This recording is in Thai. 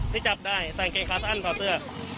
ที่จับได้ใส่กางเกงขาสั้นถอดเสื้อ